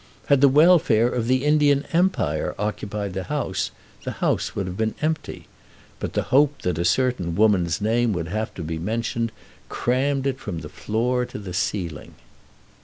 Had the welfare of the Indian Empire occupied the House, the House would have been empty. But the hope that a certain woman's name would have to be mentioned, crammed it from the floor to the ceiling.